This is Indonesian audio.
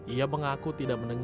ia mengaku tidak mendengar